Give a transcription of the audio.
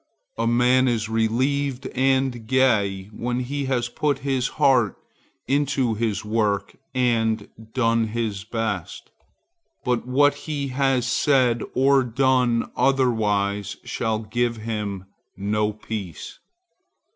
A man is relieved and gay when he has put his heart into his work and done his best; but what he has said or done otherwise shall give him no peace.